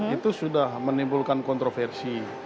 itu sudah menimbulkan kontroversi